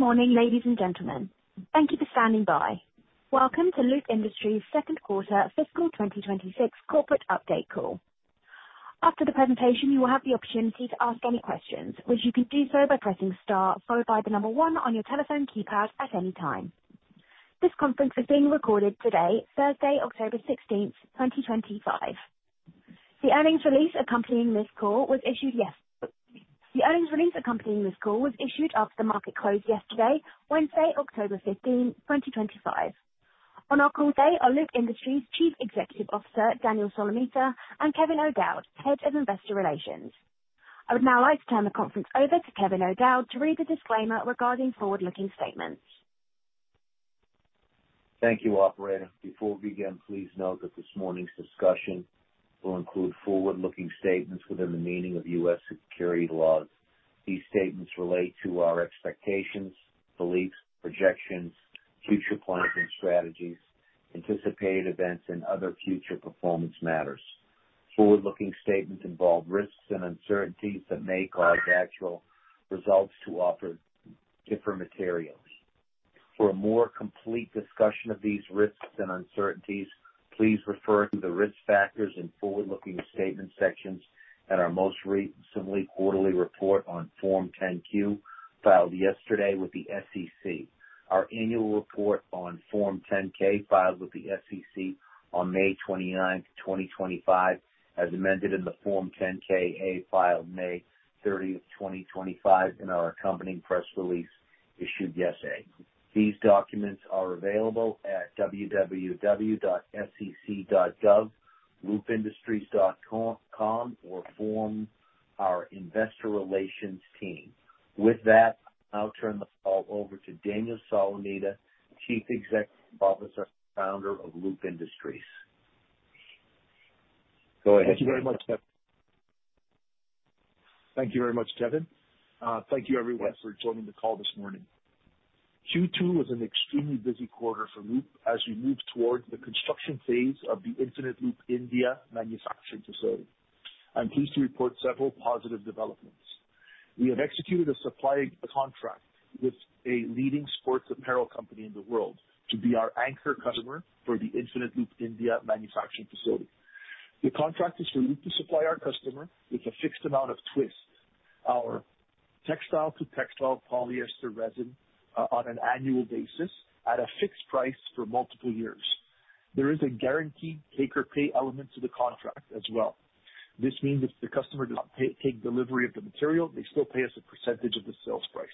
Good morning, ladies and gentlemen. Thank you for standing by. Welcome to Loop Industries' Second Quarter Fiscal 2026 Corporate Update Call. After the presentation, you will have the opportunity to ask any questions, which you can do so by pressing star, followed by the number one on your telephone keypad at any time. This conference is being recorded today, Thursday, October 16th, 2025. The earnings release accompanying this call was issued yesterday. The earnings release accompanying this call was issued after the market closed yesterday, Wednesday, October 15th, 2025. On our call today are Loop Industries' Chief Executive Officer, Daniel Solomita, and Kevin O'Dowd, Head of Investor Relations. I would now like to turn the conference over to Kevin O'Dowd to read the disclaimer regarding forward-looking statements. Thank you, Operator. Before we begin, please note that this morning's discussion will include forward-looking statements within the meaning of U.S. securities laws. These statements relate to our expectations, beliefs, projections, future plans and strategies, anticipated events, and other future performance matters. Forward-looking statements involve risks and uncertainties that may cause actual results to differ materially. For a more complete discussion of these risks and uncertainties, please refer to the risk factors and forward-looking statement sections in our most recent quarterly report on Form 10-Q filed yesterday with the SEC. Our annual report on Form 10-K filed with the SEC on May 29th, 2025, as amended in the Form 10-K/A filed May 30th, 2025, and our accompanying press release issued yesterday. These documents are available at www.sec.gov, loopindustries.com, or from our Investor Relations team. With that, I'll turn the call over to Daniel Solomita, Chief Executive Officer and Founder of Loop Industries. Go ahead, Kevin. Thank you very much, Kevin. Thank you, everyone, for joining the call this morning. Q2 was an extremely busy quarter for Loop as we moved towards the construction phase of the Infinite Loop India manufacturing facility. I'm pleased to report several positive developments. We have executed a supply contract with a leading sports apparel company in the world to be our anchor customer for the Infinite Loop India manufacturing facility. The contract is for Loop to supply our customer with a fixed amount of Twist, our textile-to-textile polyester resin on an annual basis at a fixed price for multiple years. There is a guaranteed take-or-pay element to the contract as well. This means if the customer does not take delivery of the material, they still pay us a percentage of the sales price.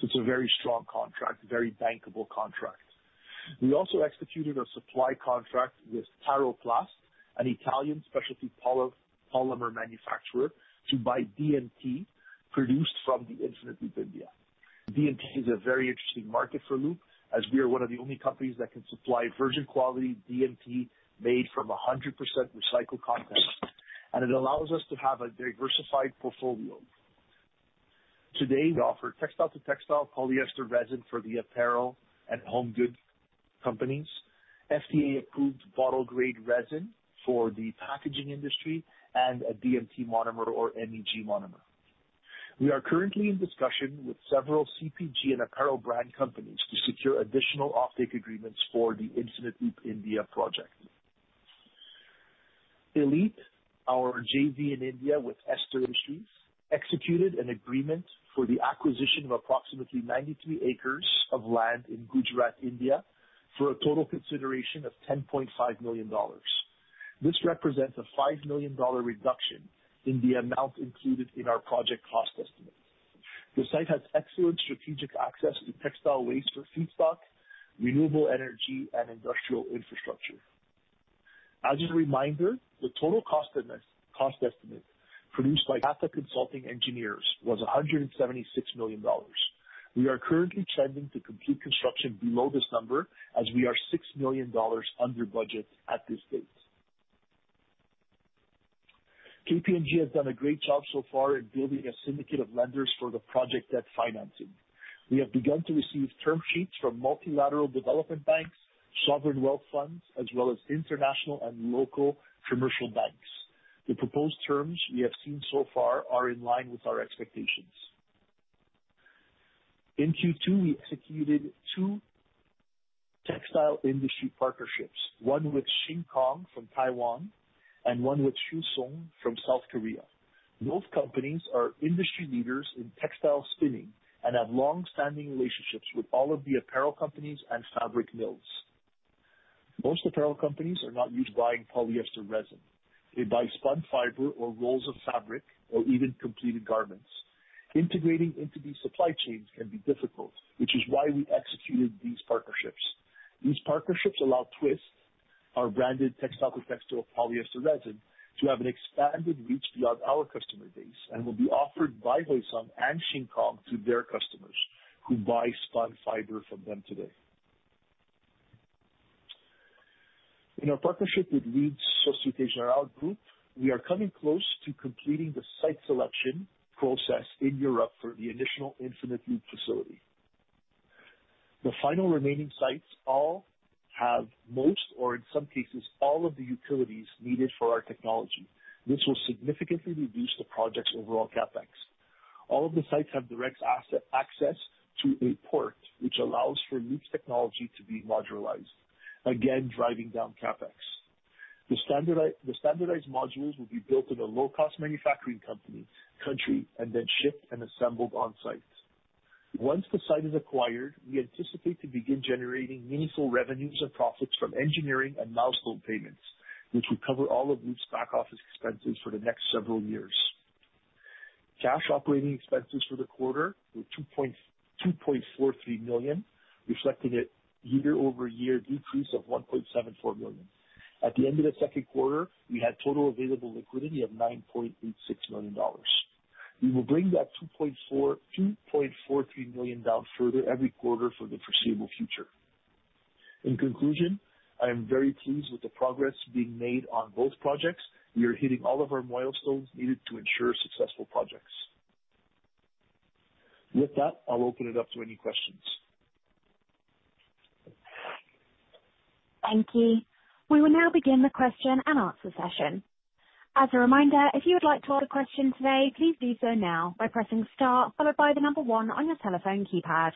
So it's a very strong contract, a very bankable contract. We also executed a supply contract with Taro Plast, an Italian specialty polymer manufacturer, to buy DMT produced from the Infinite Loop India. DMT is a very interesting market for Loop as we are one of the only companies that can supply virgin quality DMT made from 100% recycled content, and it allows us to have a diversified portfolio. Today, we offer textile-to-textile polyester resin for the apparel and home goods companies, FDA-approved bottle-grade resin for the packaging industry, and a DMT monomer or MEG monomer. We are currently in discussion with several CPG and apparel brand companies to secure additional offtake agreements for the Infinite Loop India project. ELITe, our JV in India with Ester Industries, executed an agreement for the acquisition of approximately 93 acres of land in Gujarat, India, for a total consideration of $10.5 million. This represents a $5 million reduction in the amount included in our project cost estimate. The site has excellent strategic access to textile waste for feedstock, renewable energy, and industrial infrastructure. As a reminder, the total cost estimate produced by Tata Consulting Engineers was $176 million. We are currently intending to complete construction below this number as we are $6 million under budget at this date. KPMG has done a great job so far in building a syndicate of lenders for the project debt financing. We have begun to receive term sheets from multilateral development banks, sovereign wealth funds, as well as international and local commercial banks. The proposed terms we have seen so far are in line with our expectations. In Q2, we executed two textile industry partnerships, one with Shinkong from Taiwan and one with Hyosung from South Korea. Both companies are industry leaders in textile spinning and have long-standing relationships with all of the apparel companies and fabric mills. Most apparel companies are not used to buying polyester resin. They buy spun fiber or rolls of fabric or even completed garments. Integrating into these supply chains can be difficult, which is why we executed these partnerships. These partnerships allow Twist, our branded textile-to-textile polyester resin, to have an expanded reach beyond our customer base and will be offered by Hyosung and Shinkong to their customers who buy spun fiber from them today. In our partnership with Société Générale Group, we are coming close to completing the site selection process in Europe for the initial Infinite Loop facility. The final remaining sites all have most, or in some cases, all of the utilities needed for our technology. This will significantly reduce the project's overall CapEx. All of the sites have direct access to a port, which allows for Loop's technology to be modularized, again driving down CapEx. The standardized modules will be built in a low-cost manufacturing country and then shipped and assembled on-site. Once the site is acquired, we anticipate to begin generating meaningful revenues and profits from engineering and milestone payments, which will cover all of Loop's back-office expenses for the next several years. Cash operating expenses for the quarter were $2.43 million, reflecting a year-over-year decrease of $1.74 million. At the end of the second quarter, we had total available liquidity of $9.86 million. We will bring that $2.43 million down further every quarter for the foreseeable future. In conclusion, I am very pleased with the progress being made on both projects. We are hitting all of our milestones needed to ensure successful projects. With that, I'll open it up to any questions. Thank you. We will now begin the question and answer session. As a reminder, if you would like to ask a question today, please do so now by pressing star, followed by the number one on your telephone keypad.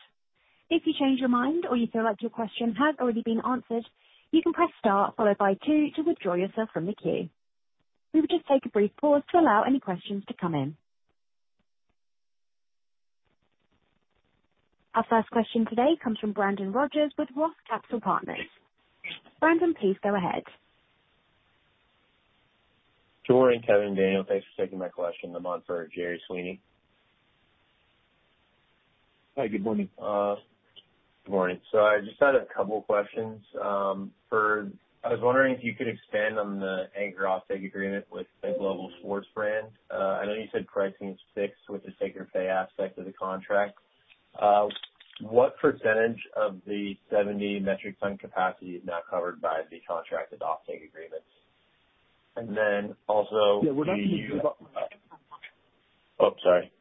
If you change your mind or you feel like your question has already been answered, you can press star, followed by two, to withdraw yourself from the queue. We will just take a brief pause to allow any questions to come in. Our first question today comes from Brandon Rogers with Roth Capital Partners. Brandon, please go ahead. Sure. Kevin, Daniel, thanks for taking my question. I'm on for Gerry Sweeney. Hi, good morning. Good morning. So I just had a couple of questions. I was wondering if you could expand on the anchor offtake agreement with the Global Sports brand. I know you said pricing is fixed with the take-or-pay aspect of the contract. What percentage of the 70 metric ton capacity is now covered by the contracted offtake agreements? And then also. Yeah, we're not using the. Oh, sorry.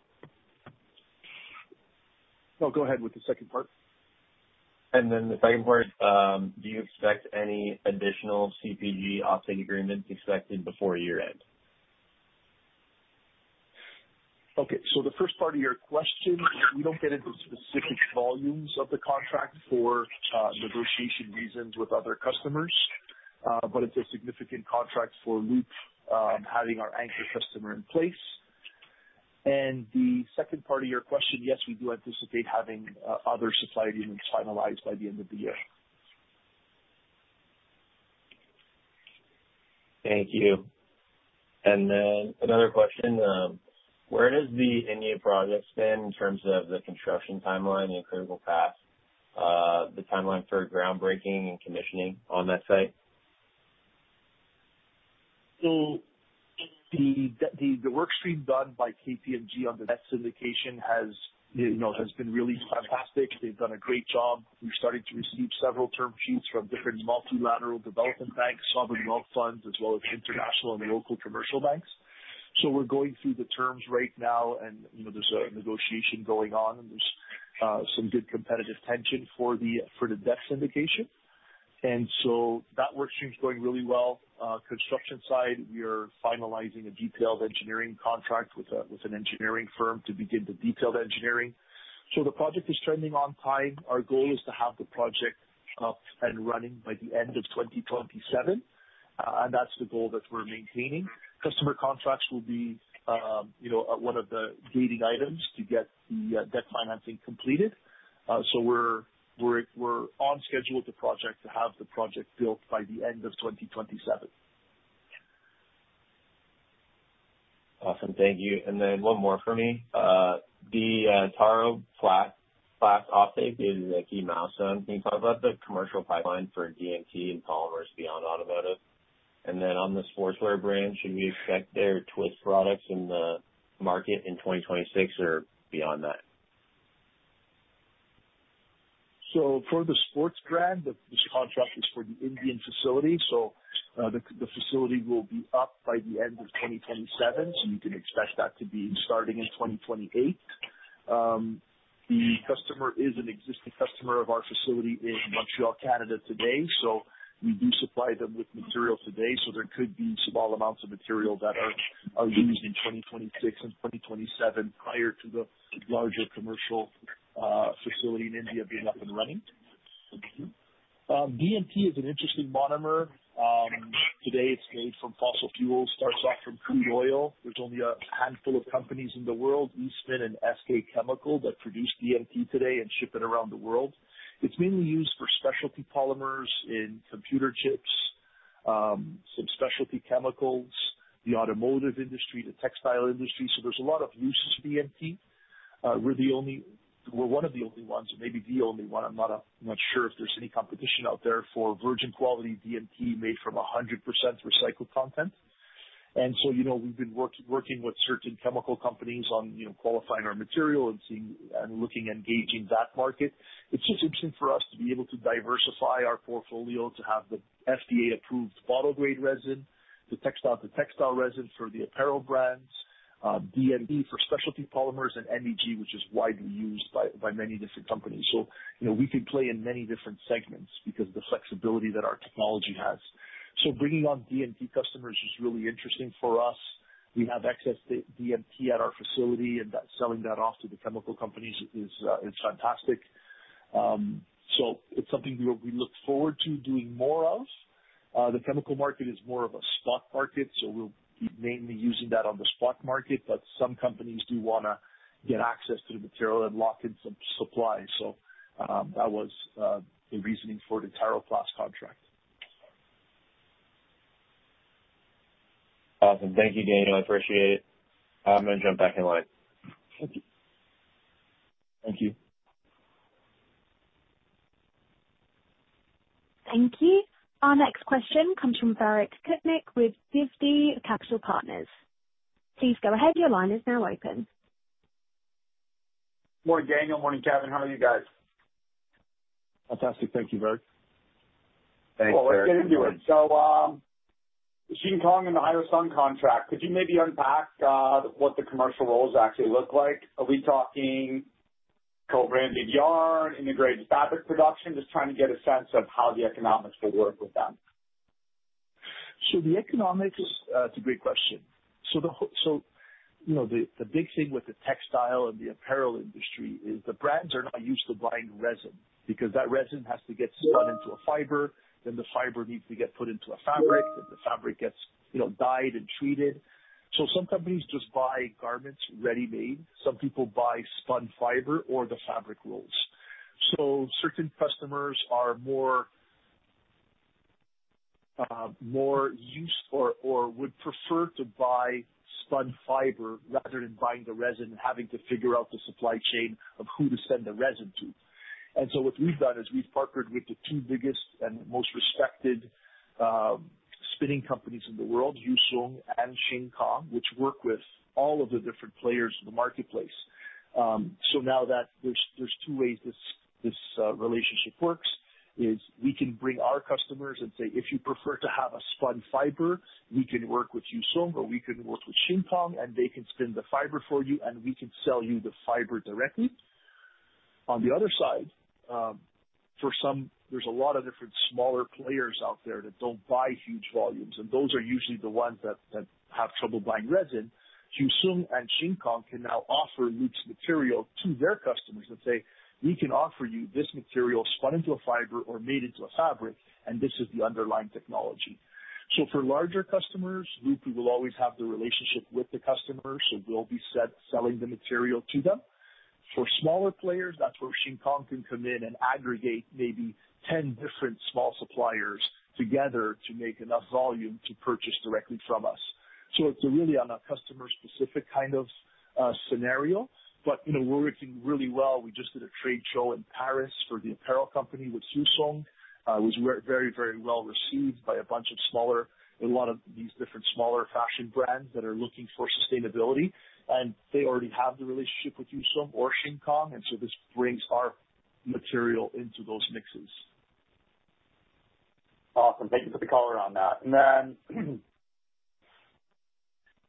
No, go ahead with the second part. And then the second part, do you expect any additional CPG offtake agreements expected before year-end? Okay. So the first part of your question, we don't get into specific volumes of the contract for negotiation reasons with other customers, but it's a significant contract for Loop having our anchor customer in place. And the second part of your question, yes, we do anticipate having other supply agreements finalized by the end of the year. Thank you. And then another question. Where does the India project stand in terms of the construction timeline and critical path, the timeline for groundbreaking and commissioning on that site? So the work stream done by KPMG on the debt syndication has been really fantastic. They've done a great job. We've started to receive several term sheets from different multilateral development banks, sovereign wealth funds, as well as international and local commercial banks. So we're going through the terms right now, and there's a negotiation going on, and there's some good competitive tension for the debt syndication. And so that work stream is going really well. Construction side, we are finalizing a detailed engineering contract with an engineering firm to begin the detailed engineering. So the project is trending on time. Our goal is to have the project up and running by the end of 2027, and that's the goal that we're maintaining. Customer contracts will be one of the gating items to get the debt financing completed. So we're on schedule with the project to have the project built by the end of 2027. Awesome. Thank you. And then one more for me. The Taro Plast offtake is a key milestone. Can you talk about the commercial pipeline for DMT and polymers beyond automotive? And then on the sportswear brand, should we expect their Twist products in the market in 2026 or beyond that? For the sports brand, this contract is for the Indian facility. The facility will be up by the end of 2027, so you can expect that to be starting in 2028. The customer is an existing customer of our facility in Montreal, Canada today. We do supply them with material today, so there could be small amounts of material that are used in 2026 and 2027 prior to the larger commercial facility in India being up and running. DMT is an interesting monomer. Today, it's made from fossil fuels, starts off from crude oil. There's only a handful of companies in the world, Eastman and SK Chemicals, that produce DMT today and ship it around the world. It's mainly used for specialty polymers in computer chips, some specialty chemicals, the automotive industry, the textile industry. There's a lot of uses for DMT. We're one of the only ones, maybe the only one. I'm not sure if there's any competition out there for virgin quality DMT made from 100% recycled content, and so we've been working with certain chemical companies on qualifying our material and looking at engaging that market. It's just interesting for us to be able to diversify our portfolio to have the FDA-approved bottle-grade resin, the textile-to-textile resin for the apparel brands, DMT for specialty polymers, and MEG, which is widely used by many different companies, so we can play in many different segments because of the flexibility that our technology has, so bringing on DMT customers is really interesting for us. We have access to DMT at our facility, and selling that off to the chemical companies is fantastic, so it's something we look forward to doing more of. The chemical market is more of a spot market, so we'll be mainly using that on the spot market, but some companies do want to get access to the material and lock in some supply, so that was the reasoning for the Taro Plast contract. Awesome. Thank you, Daniel. I appreciate it. I'm going to jump back in line. Thank you. Thank you. Our next question comes from Barrett Kutnick with Gagnon Securities. Please go ahead. Your line is now open. Morning, Daniel. Morning, Kevin. How are you guys? Fantastic. Thank you, Barrett. Thanks. Let's get into it. So Shinkong and the Hyosung contract, could you maybe unpack what the commercial roles actually look like? Are we talking co-branded yarn, integrated fabric production, just trying to get a sense of how the economics will work with them? So the economics, that's a great question. So the big thing with the textile and the apparel industry is the brands are not used to buying resin because that resin has to get spun into a fiber, then the fiber needs to get put into a fabric, then the fabric gets dyed and treated. So some companies just buy garments ready-made. Some people buy spun fiber or the fabric rolls. So certain customers are more used or would prefer to buy spun fiber rather than buying the resin and having to figure out the supply chain of who to send the resin to. And so what we've done is we've partnered with the two biggest and most respected spinning companies in the world, Hyosung and Shinkong, which work with all of the different players in the marketplace. So now that there's two ways this relationship works, is we can bring our customers and say, "If you prefer to have a spun fiber, we can work with Hyosung or we can work with Shinkong, and they can spin the fiber for you, and we can sell you the fiber directly." On the other side, there's a lot of different smaller players out there that don't buy huge volumes, and those are usually the ones that have trouble buying resin. Hyosung and Shinkong can now offer Loop's material to their customers and say, "We can offer you this material spun into a fiber or made into a fabric, and this is the underlying technology." So for larger customers, Loop will always have the relationship with the customers, so we'll be selling the material to them. For smaller players, that's where Shinkong can come in and aggregate maybe 10 different small suppliers together to make enough volume to purchase directly from us. So it's really on a customer-specific kind of scenario, but we're working really well. We just did a trade show in Paris for the apparel company with Hyosung. It was very, very well received by a bunch of smaller and a lot of these different smaller fashion brands that are looking for sustainability, and they already have the relationship with Hyosung or Shinkong, and so this brings our material into those mixes. Awesome. Thank you for the color on that. And then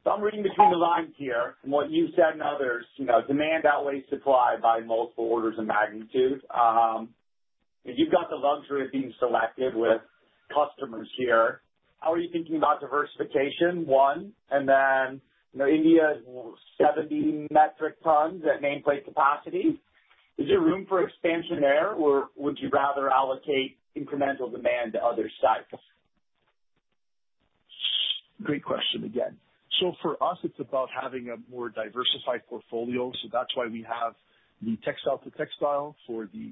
I'm reading between the lines here from what you've said and others, demand outweighs supply by multiple orders of magnitude. You've got the luxury of being selective with customers here. How are you thinking about diversification, one? And then India is 70 metric tons at nameplate capacity. Is there room for expansion there, or would you rather allocate incremental demand to other sites? Great question again. So for us, it's about having a more diversified portfolio. So that's why we have the textile-to-textile for the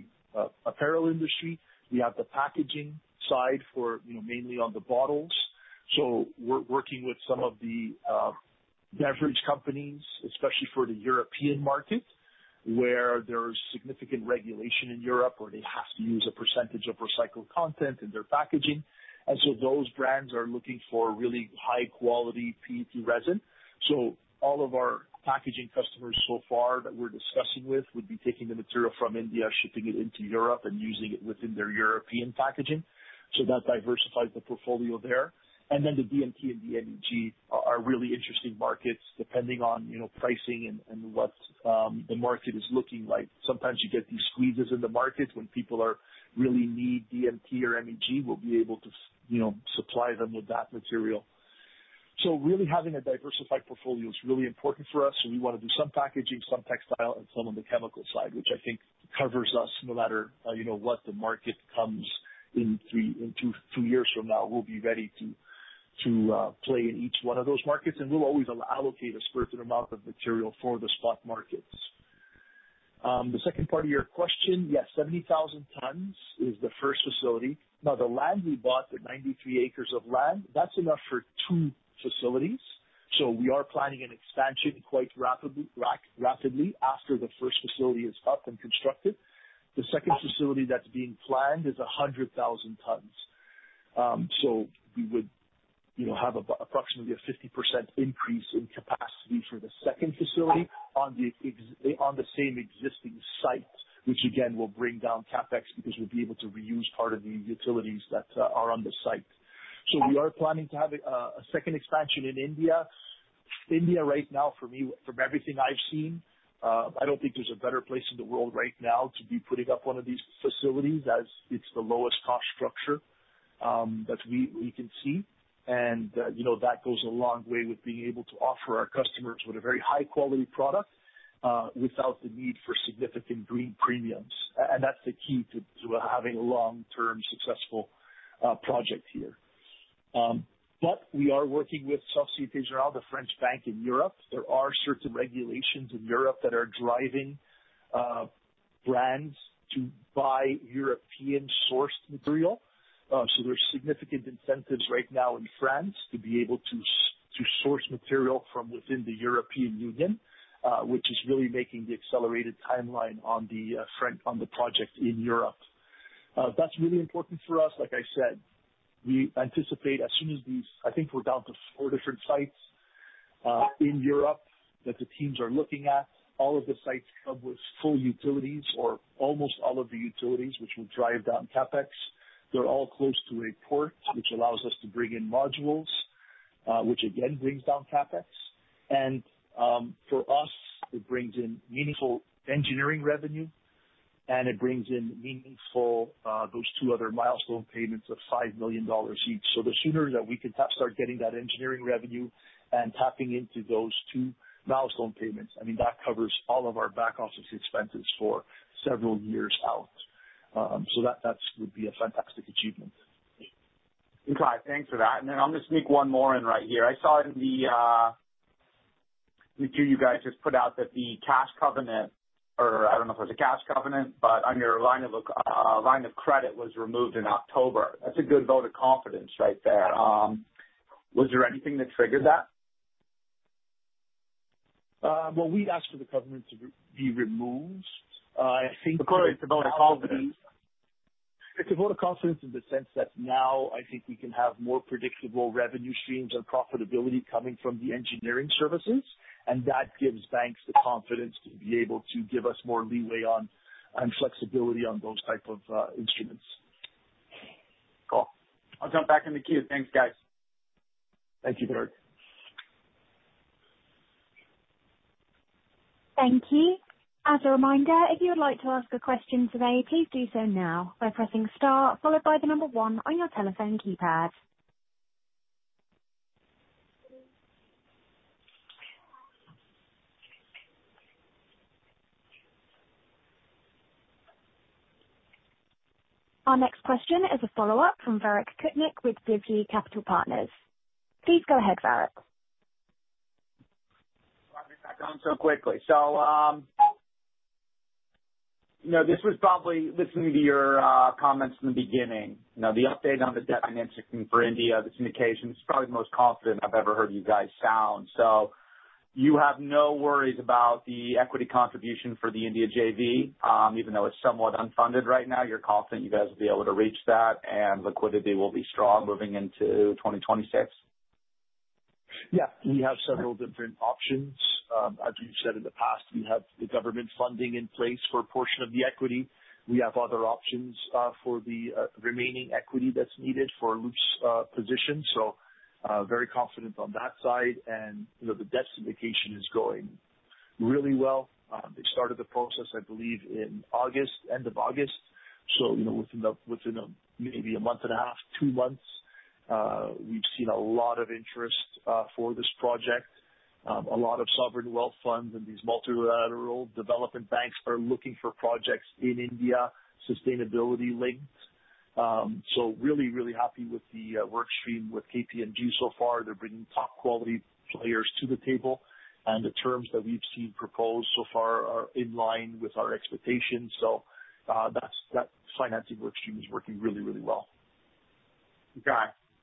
apparel industry. We have the packaging side mainly on the bottles. So we're working with some of the beverage companies, especially for the European market, where there is significant regulation in Europe where they have to use a percentage of recycled content in their packaging. And so those brands are looking for really high-quality PET resin. So all of our packaging customers so far that we're discussing with would be taking the material from India, shipping it into Europe, and using it within their European packaging. So that diversifies the portfolio there. And then the DMT and the MEG are really interesting markets depending on pricing and what the market is looking like. Sometimes you get these squeezes in the market when people really need DMT or MEG, we'll be able to supply them with that material. So really having a diversified portfolio is really important for us. So we want to do some packaging, some textile, and some on the chemical side, which I think covers us no matter what the market comes in two years from now. We'll be ready to play in each one of those markets, and we'll always allocate a certain amount of material for the spot markets. The second part of your question, yes, 70,000 tons is the first facility. Now, the land we bought, the 93 acres of land, that's enough for two facilities. So we are planning an expansion quite rapidly after the first facility is up and constructed. The second facility that's being planned is 100,000 tons. So we would have approximately a 50% increase in capacity for the second facility on the same existing site, which again will bring down CapEx because we'll be able to reuse part of the utilities that are on the site. So we are planning to have a second expansion in India. India right now, for me, from everything I've seen, I don't think there's a better place in the world right now to be putting up one of these facilities as it's the lowest-cost structure that we can see. And that goes a long way with being able to offer our customers a very high-quality product without the need for significant green premiums. And that's the key to having a long-term successful project here. But we are working with Société Générale, the French bank in Europe. There are certain regulations in Europe that are driving brands to buy European-sourced material. So there's significant incentives right now in France to be able to source material from within the European Union, which is really making the accelerated timeline on the project in Europe. That's really important for us. Like I said, we anticipate as soon as these, I think we're down to four different sites in Europe that the teams are looking at. All of the sites come with full utilities or almost all of the utilities, which will drive down CapEx. They're all close to a port, which allows us to bring in modules, which again brings down CapEx. And for us, it brings in meaningful engineering revenue, and it brings in meaningful, those two other milestone payments of $5 million each. So the sooner that we can start getting that engineering revenue and tapping into those two milestone payments, I mean, that covers all of our back-office expenses for several years out. That would be a fantastic achievement. Okay. Thanks for that. And then I'm going to sneak one more in right here. I saw in the two you guys just put out that the cash covenant, or I don't know if it was a cash covenant, but on your line of credit was removed in October. That's a good vote of confidence right there. Was there anything that triggered that? We asked for the covenant to be removed. I think. According to vote of confidence? It's a vote of confidence in the sense that now I think we can have more predictable revenue streams and profitability coming from the engineering services, and that gives banks the confidence to be able to give us more leeway and flexibility on those types of instruments. Cool. I'll jump back in the queue. Thanks, guys. Thank you, Barrett. Thank you. As a reminder, if you would like to ask a question today, please do so now by pressing star, followed by the number one on your telephone keypad. Our next question is a follow-up from Barrett Kutnik with Gagnon Securities. Please go ahead, Barrett. Back on so quickly. So this was probably, listening to your comments in the beginning, the update on the debt financing for India, this indication is probably the most confident I've ever heard you guys sound. So you have no worries about the equity contribution for the India JV, even though it's somewhat unfunded right now. You're confident you guys will be able to reach that, and liquidity will be strong moving into 2026? Yeah. We have several different options. As we've said in the past, we have the government funding in place for a portion of the equity. We have other options for the remaining equity that's needed for Loop's position. So very confident on that side. And the debt syndication is going really well. They started the process, I believe, in August, end of August. So within maybe a month and a half, two months, we've seen a lot of interest for this project. A lot of sovereign wealth funds and these multilateral development banks are looking for projects in India, sustainability-linked. So really, really happy with the workstream with KPMG so far. They're bringing top-quality players to the table, and the terms that we've seen proposed so far are in line with our expectations. So that financing workstream is working really, really well. Okay.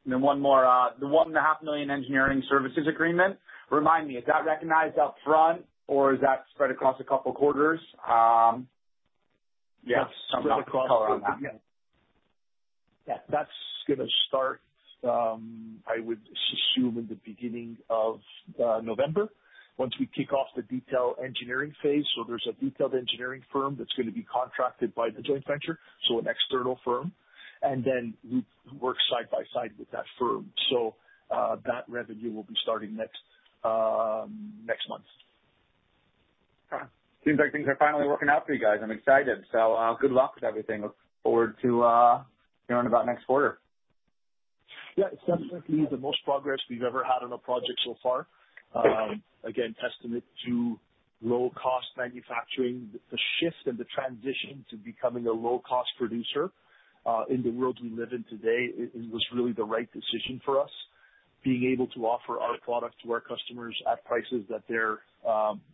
And then one more. The $1.5 million engineering services agreement, remind me, is that recognized upfront, or is that spread across a couple of quarters? Yeah. Color on that. Yeah. That's going to start, I would assume, in the beginning of November, once we kick off the detailed engineering phase. So there's a detailed engineering firm that's going to be contracted by the joint venture, so an external firm, and then we work side by side with that firm. So that revenue will be starting next month. Okay. Seems like things are finally working out for you guys. I'm excited. So good luck with everything. Look forward to hearing about next quarter. Yeah. It's definitely the most progress we've ever had on a project so far. Again, testament to low-cost manufacturing. The shift and the transition to becoming a low-cost producer in the world we live in today was really the right decision for us, being able to offer our product to our customers at prices that they're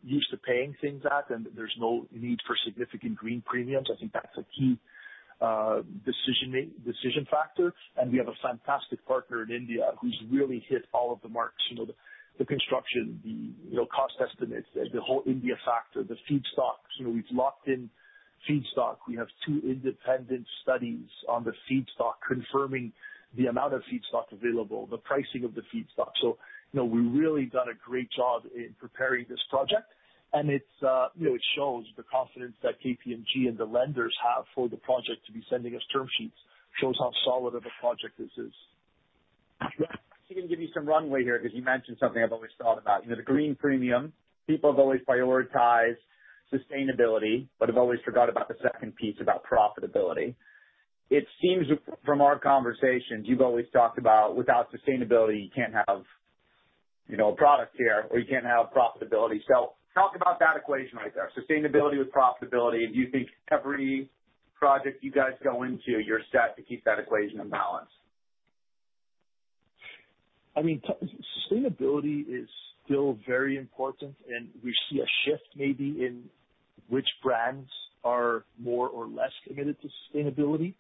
used to paying things at, and there's no need for significant green premiums. I think that's a key decision factor. And we have a fantastic partner in India who's really hit all of the marks: the construction, the cost estimates, the whole India factor, the feedstock. We've locked in feedstock. We have two independent studies on the feedstock confirming the amount of feedstock available, the pricing of the feedstock. So we've really done a great job in preparing this project, and it shows the confidence that KPMG and the lenders have for the project to be sending us term sheets, shows how solid of a project this is. Yeah. I'm actually going to give you some runway here because you mentioned something I've always thought about. The green premium, people have always prioritized sustainability, but have always forgotten about the second piece, about profitability. It seems from our conversations you've always talked about, "Without sustainability, you can't have a product here, or you can't have profitability." So talk about that equation right there. Sustainability with profitability. Do you think every project you guys go into, you're set to keep that equation in balance? I mean, sustainability is still very important, and we see a shift maybe in which brands are more or less committed to sustainability.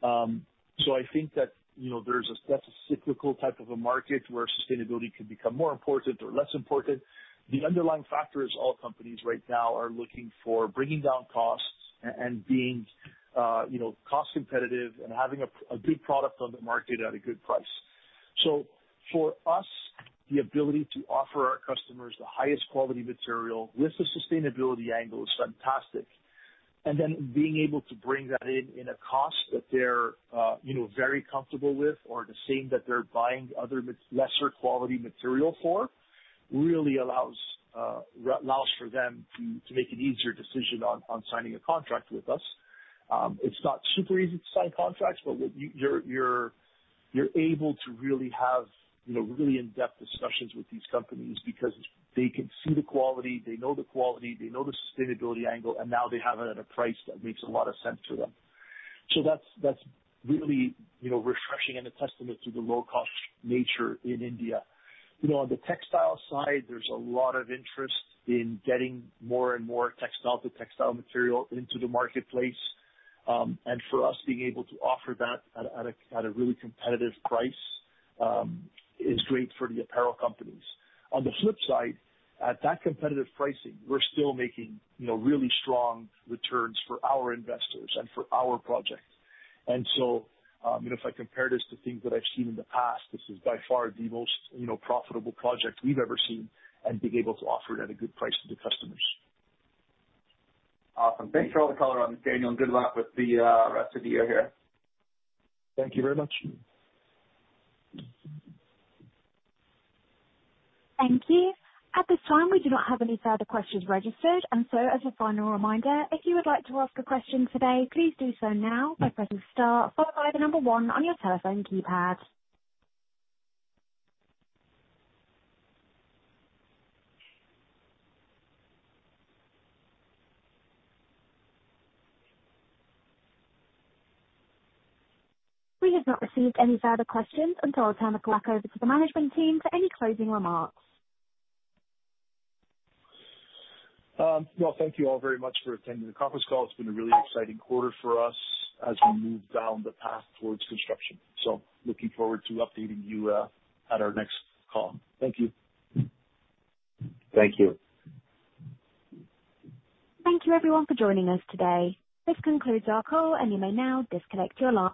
So I think that that's a cyclical type of a market where sustainability can become more important or less important. The underlying factor is all companies right now are looking for bringing down costs and being cost-competitive and having a good product on the market at a good price. So for us, the ability to offer our customers the highest quality material with a sustainability angle is fantastic. And then being able to bring that in at a cost that they're very comfortable with or the same that they're buying other lesser quality material for really allows for them to make an easier decision on signing a contract with us. It's not super easy to sign contracts, but you're able to really have really in-depth discussions with these companies because they can see the quality, they know the quality, they know the sustainability angle, and now they have it at a price that makes a lot of sense to them. So that's really refreshing and a testament to the low-cost nature in India. On the textile side, there's a lot of interest in getting more and more textile-to-textile material into the marketplace. And for us, being able to offer that at a really competitive price is great for the apparel companies. On the flip side, at that competitive pricing, we're still making really strong returns for our investors and for our project. And so, if I compare this to things that I've seen in the past, this is by far the most profitable project we've ever seen, and being able to offer it at a good price to the customers. Awesome. Thanks for all the color on it, Daniel, and good luck with the rest of the year here. Thank you very much. Thank you. At this time, we do not have any further questions registered, and so as a final reminder, if you would like to ask a question today, please do so now by pressing star, followed by the number one on your telephone keypad. We have not received any further questions. Until I turn the clock over to the management team for any closing remarks. Thank you all very much for attending the conference call. It's been a really exciting quarter for us as we move down the path towards construction. Looking forward to updating you at our next call. Thank you. Thank you. Thank you, everyone, for joining us today. This concludes our call, and you may now disconnect your line.